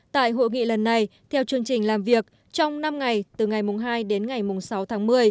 tại hội nghị lần này theo chương trình làm việc trong năm ngày từ ngày hai đến ngày sáu tháng một mươi